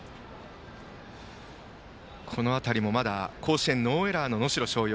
この辺りもまだ甲子園ノーエラーの能代松陽。